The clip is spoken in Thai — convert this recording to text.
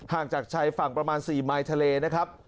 จากชายฝั่งประมาณ๔มายทะเลนะครับ